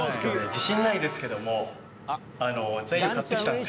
自信ないですけども材料買って来たので。